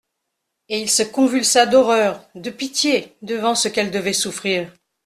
Et il se convulsa d’horreur, de pitié, devant ce qu’elle devait souffrir.